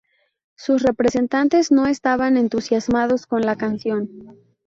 Sus representantes no estaban entusiasmados con la canción.